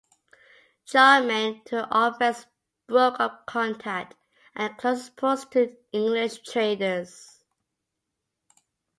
Charlemagne took offence, broke off contact, and closed his ports to English traders.